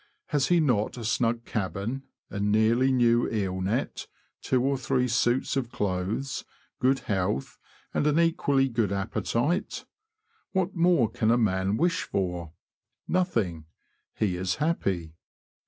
Has he not a snug cabin, a nearly new eel net, two or three suits of clothes, good health, and an equally good appetite? What more can a man wish for? Nothing : he is happy.